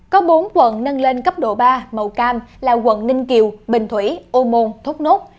có bốn quận nâng lên cấp độ ba màu cam là quận ninh kiều bình thủy ô môn thốt nốt